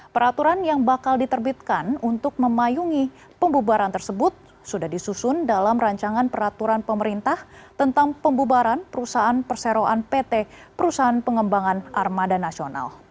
peraturan yang bakal diterbitkan untuk memayungi pembubaran tersebut sudah disusun dalam rancangan peraturan pemerintah tentang pembubaran perusahaan perseroan pt perusahaan pengembangan armada nasional